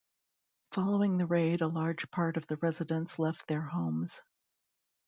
Following the raid a large part of the residents left their homes.